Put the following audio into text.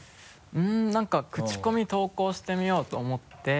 うんなんかクチコミ投稿してみようと思って。